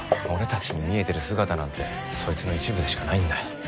俺たちに見えてる姿なんてそいつの一部でしかないんだよ。